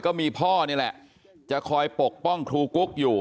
ก็มีพ่อนี่แหละจะคอยปกป้องครูกุ๊กอยู่